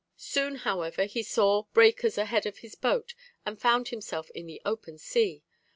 "Soon, however, he saw breakers ahead of his boat, and found himself in the open sea.